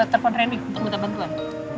terpon randy untuk minta bantuan